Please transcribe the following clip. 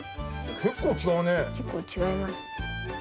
結構違いますね。